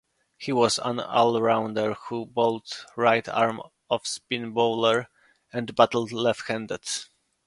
He was an all-rounder who bowled right arm off-spin bowler and batted left-handed.